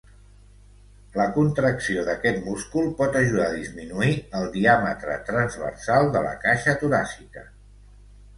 La contracció d'aquest múscul pot ajudar a disminuir el diàmetre transversal de la caixa toràcica.